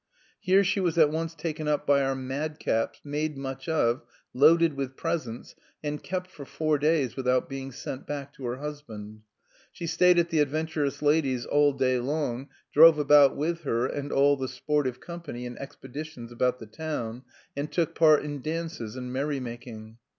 Here she was at once taken up by our madcaps, made much of, loaded with presents, and kept for four days without being sent back to her husband. She stayed at the adventurous lady's all day long, drove about with her and all the sportive company in expeditions about the town, and took part in dances and merry making.